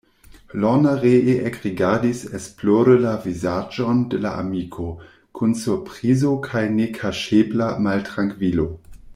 Lorna ree ekrigardis esplore la vizaĝon de la amiko, kun surprizo kaj nekaŝebla maltrankvilo.